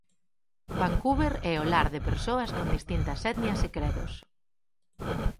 Vancouver é o lar de persoas con distintas etnias e credos.